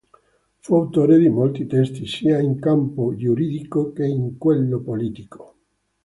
Fu autore di molti testi, sia in campo giuridico che in quello politico.